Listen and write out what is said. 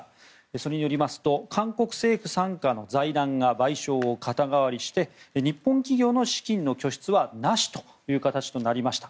それによりますと韓国政府傘下の財団が賠償を肩代わりして日本企業の資金の拠出はなしという形になりました。